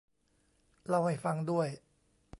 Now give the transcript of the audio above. เล่าให้ฟังด้วย